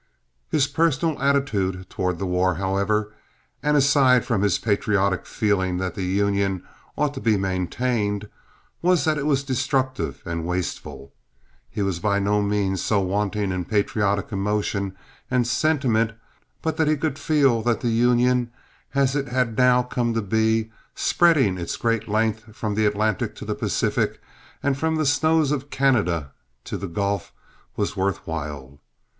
His personal attitude toward the war, however, and aside from his patriotic feeling that the Union ought to be maintained, was that it was destructive and wasteful. He was by no means so wanting in patriotic emotion and sentiment but that he could feel that the Union, as it had now come to be, spreading its great length from the Atlantic to the Pacific and from the snows of Canada to the Gulf, was worth while.